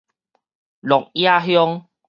鹿野鄉